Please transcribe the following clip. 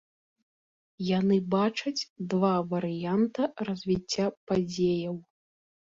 Яны бачаць два варыянты развіцця падзеяў.